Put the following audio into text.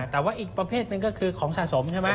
แต่ว่าอีกประเภทหนึ่งก็คือของสะสมใช่ไหม